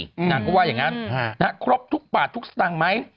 นางก็ว่าอย่างนั้นครบทุกบาททุกสตางค์ไหม